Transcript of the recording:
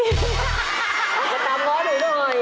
จะตามง้อหนูหน่อย